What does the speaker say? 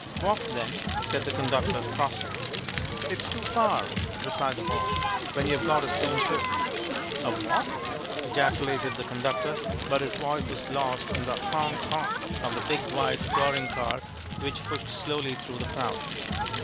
"Walk, then!" said the conductor, crossly. "It's too far," replied the boy, "when you've got a stone toe." "A what?" ejaculated the conductor; but his voice was lost in the honk! honk! of a big white touring car which pushed slowly through the crowd.